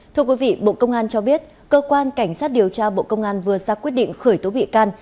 thưa quý vị bộ công an cho biết cơ quan cảnh sát điều tra bộ công an vừa ra quyết định khởi tố bị can